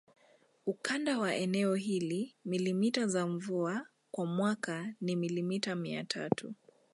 Ukanda wa eneo hili milimita za mvua kwa mwaka ni milimita mia tatu